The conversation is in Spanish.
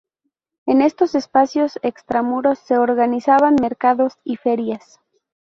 En estos espacios extramuros se organizaban mercados y ferias.